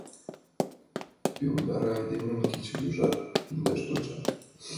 — Пелодар айдемым кеч-кӧжат тӱҥдаш тӧча.